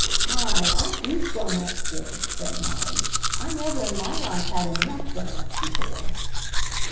"My! Aren't these doughnuts good?" said Molly. "I never in my life had ENOUGH doughnuts before!"